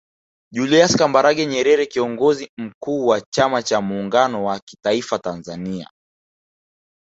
Julius Kambarage Nyerere Kiongozi Mkuu wa chama cha Muungano wa kitaifa Tanzania